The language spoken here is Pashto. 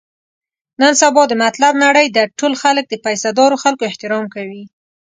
نن سبا د مطلب نړۍ ده، ټول خلک د پیسه دارو خلکو احترام کوي.